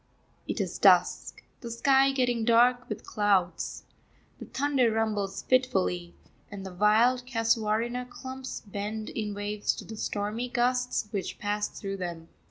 It is dusk, the sky getting dark with clouds. The thunder rumbles fitfully, and the wild casuarina clumps bend in waves to the stormy gusts which pass through them.